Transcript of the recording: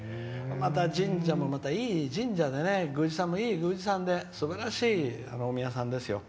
神社も、いい神社で宮司さんも、いい宮司さんですばらしいお宮さんですよ。